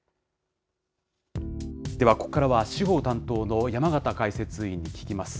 では、ここからは司法担当の山形解説委員に聞きます。